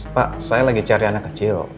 pak saya sedang mencari anak kecil